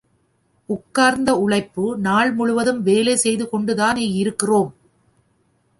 உட்கார்ந்த உழைப்பு நாள் முழுவதும் வேலை செய்து கொண்டுதானே இருக்கிறோம்.